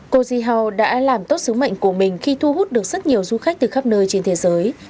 cô zihau đã làm tốt sứ mệnh của mình khi thu hút được rất nhiều du khách từ khắp nơi trên thế giới